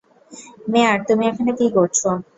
মেয়ার, তুমি এখানে কি করছো?